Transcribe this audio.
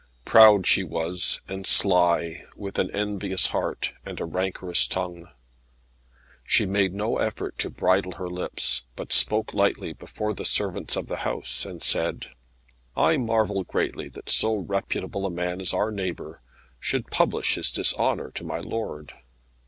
Proud she was, and sly, with an envious heart, and a rancorous tongue. She made no effort to bridle her lips, but spoke lightly before the servants of the house, and said, "I marvel greatly that so reputable a man as our neighbour, should publish his dishonour to my lord.